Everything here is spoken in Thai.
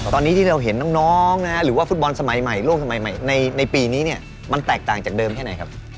ตอนนี้ที่เราเห็นน้องหรือว่าฟุตบอลสมัยใหม่โลกสมัยใหม่ในปีนี้เนี่ยมันแตกต่างจากเดิมแค่ไหนครับ